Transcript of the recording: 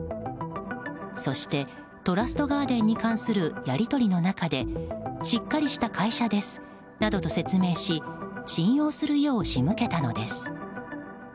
そしてトラストガーデンに関するやり取りの中でしっかりした会社ですなどと説明し信用するよう仕向けたのです。